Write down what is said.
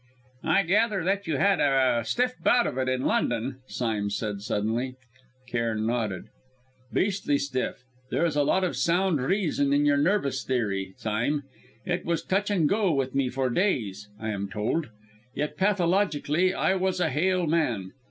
"I gather that you had a stiff bout of it in London?" Sime said suddenly. Cairn nodded. "Beastly stiff. There is a lot of sound reason in your nervous theory, Sime. It was touch and go with me for days, I am told; yet, pathologically, I was a hale man.